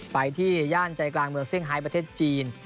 ไปที่ย่านใจกลางเมืองเซี่ยประเทศจีน